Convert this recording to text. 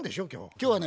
今日はね